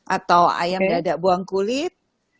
atau ayam dada buang kulit